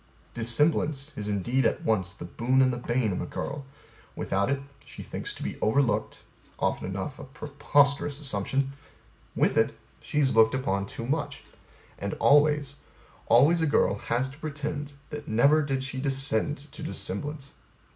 Dissemblance is indeed at once the boon and the bane of a girl: without it, she thinks to be overlooked (often enough a preposterous assumption); with it, she is looked upon too much. And always, Always a girl has to pretend that never did she descend to dissemblance.